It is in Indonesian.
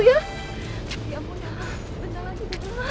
bentar lagi bentar lagi